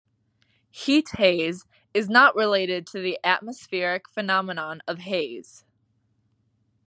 Heat haze is not related to the atmospheric phenomenon of haze.